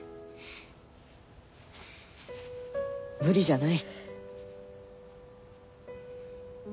無理じゃない。